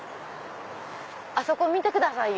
あそこ見てくださいよ。